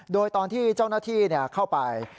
โดยตอนที่เจ้าหน้าที่เข้าไป